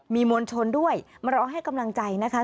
มีมวลชนด้วยมารอให้กำลังใจนะคะ